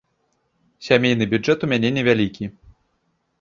Сямейны бюджэт у мяне невялікі.